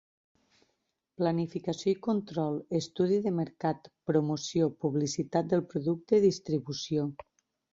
Planificació i control, estudi de mercat, promoció, publicitat del producte, distribució.